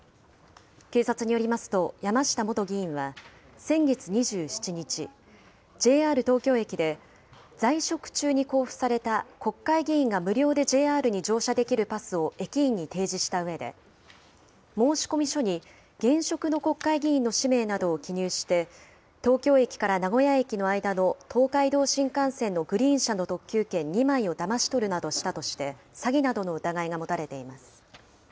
警察によりますと、山下元議員は、先月２７日、ＪＲ東京駅で、在職中に交付された、国会議員が無料でＪＲに乗車できるパスを駅員に提示したうえで、申込書に現職の国会議員の氏名などを記入して、東京駅から名古屋駅の間の東海道新幹線のグリーン車の特急券２枚をだまし取るなどしたとして、詐欺などの疑いが持たれています。